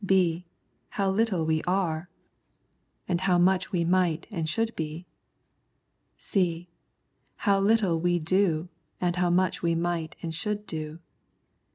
Q?) How little we are, and how much I06 Wisdom and Revelation we might and should be. (c) How little we do, and how much we might and should do.